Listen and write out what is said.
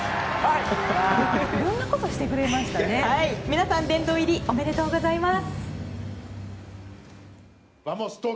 皆さん、殿堂入りおめでとうございます。